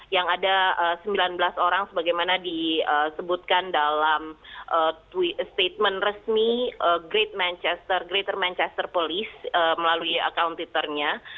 yang ada sembilan belas orang sebagaimana disebutkan dalam statement resmi greater manchester police melalui account titernya